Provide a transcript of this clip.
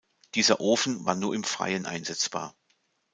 Dieser Ofen war nur im Freien einsetzbar.